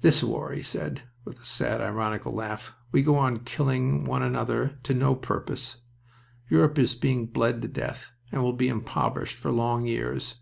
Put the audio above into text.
"This war!" he said, with a sad, ironical laugh. "We go on killing one another to no purpose. Europe is being bled to death and will be impoverished for long years.